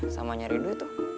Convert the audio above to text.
sama nyari duit tuh